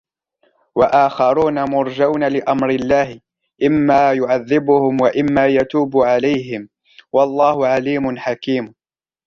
وَآخَرُونَ مُرْجَوْنَ لِأَمْرِ اللَّهِ إِمَّا يُعَذِّبُهُمْ وَإِمَّا يَتُوبُ عَلَيْهِمْ وَاللَّهُ عَلِيمٌ حَكِيمٌ